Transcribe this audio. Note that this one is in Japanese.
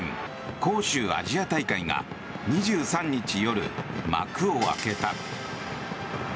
杭州アジア大会が２３日夜、幕を開けた。